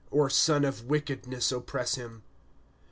Or son of wickedness oppress him.